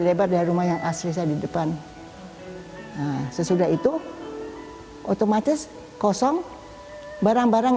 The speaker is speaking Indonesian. lebar dari rumah yang asli saya di depan sesudah itu otomatis kosong barang barang